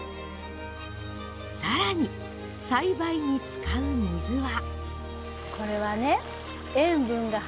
さらに、栽培に使う水は。